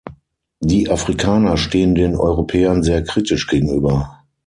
Die Afrikaner stehen den Europäern sehr kritisch gegenüber.